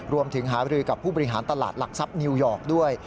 รวมถึงหาบรือกับผู้บริหารตลาดหลักทรัพย์นิวยอร์กด้วย